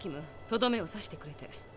とどめをさしてくれて。